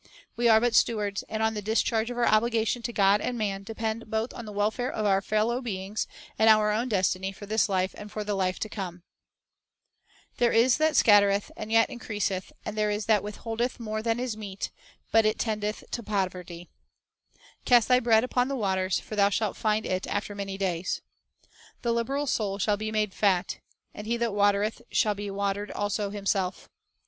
We are but stewards, and on the discharge of our obli gation to God and man depend both the welfare of our fellow beings and our own destiny for this life and for the life to come. "There is that scattereth, and yet increaseth; and there is that withholdeth more than is meet, but it 1 1 Cor. 4:2. 2 Gal. 5:13. 8 Matt. 25:40. * Rom. 1 : 14. '7 Am Debtor' 140 The Bible as an Educator Profit and Loss tendeth to poverty." "Cast thy bread upon the waters; for thou shalt find it after many days." "The liberal soul shall be made fat; and he that watereth shall be watered also himself."